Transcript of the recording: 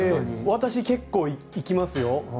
私、結構行きますよ。